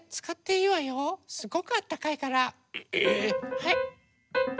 はい。